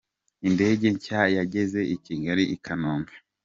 Indege nshya yageze i Kigali ikanombe